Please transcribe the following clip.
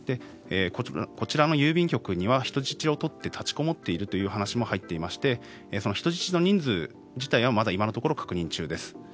こちらの郵便局には人質をとって立てこもっているという話も入っていましてその人質の人数自体は今のところまだ確認中です。